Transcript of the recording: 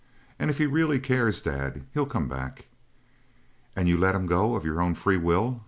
And if he really cares, Dad, he'll come back." "And you let him go of your own free will?"